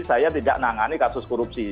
saya tidak nangani kasus korupsi